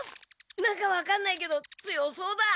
なんか分かんないけど強そうだ！